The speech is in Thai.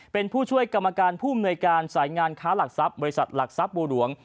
เป็นผู้ช่วยกรรมการผู้อำนวยการสายงานค้าหลักทรัพย์บริษัทหลักทรัพย์บัวหลวง